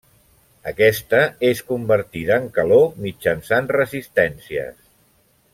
Aquesta és convertida en calor mitjançant resistències.